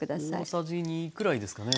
大さじ２くらいですかね？